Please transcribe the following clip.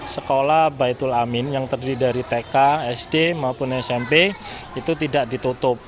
sekolah baitul amin yang terdiri dari tk sd maupun smp itu tidak ditutup